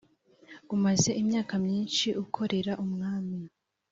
umaze imyaka myinshi akorera umwami